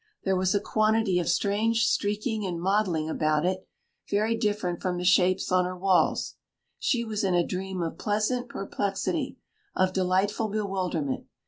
There was a quantity of strange streaking and mottling about it, very different from the shapes on her walls. She was in a dream of pleasant perplexity, of delightful bewilderment.